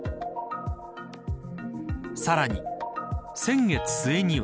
さらに先月末には。